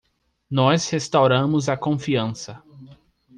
Nós restauramos a confiança